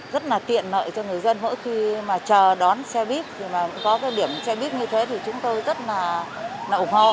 rất là tiện lợi cho người dân mỗi khi mà chờ đón xe buýt có điểm xe buýt như thế thì chúng tôi rất là ủng hộ